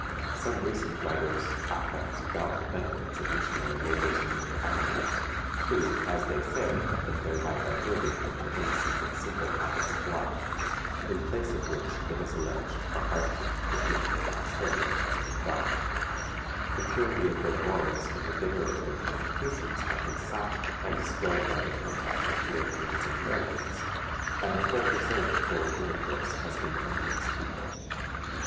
Some recent writers affect to doubt the benefits of missionary labors among the islanders, who, as they say, have been thereby diverted from their innocent and simple habits of life; in place of which, it is alleged, a harsh and hypocritical austerity has been adopted; the purity of their morals and the vigor of their constitutions have been sapped and destroyed by the contact with Europeans and Americans, and the whole result of foreign intercourse has been unmixed evil.